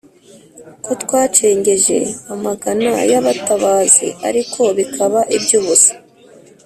ko twacengeje amagana y’abatabazi ariko bikaba iby’ubusa,